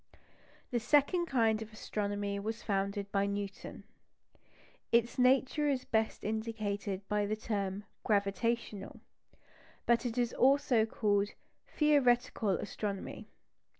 The second kind of astronomy was founded by Newton. Its nature is best indicated by the term "gravitational"; but it is also called "theoretical astronomy."